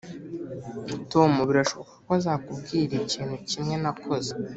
tom birashoboka ko azakubwira ikintu kimwe nakoze.